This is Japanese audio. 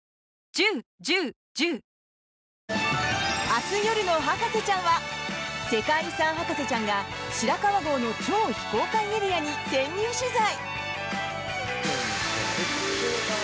明日夜の「博士ちゃん」は世界遺産博士ちゃんが白川郷の超非公開エリアに潜入取材。